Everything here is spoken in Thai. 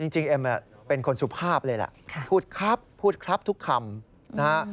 เอ็มเป็นคนสุภาพเลยแหละพูดครับพูดครับทุกคำนะฮะ